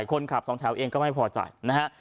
คนขับสองแถวเองก็ไม่พอใจนะฮะ